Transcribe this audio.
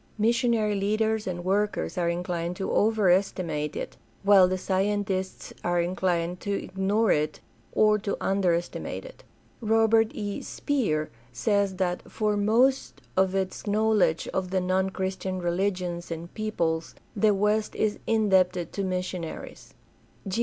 Missionary leaders and workers are inclined to overestimate it, while the scientists are inclined to ignore it or to under estimate it. Robert E, Speer says that "for most of its knowledge of the non Christian religions and peoples the West is indebted to missionaries."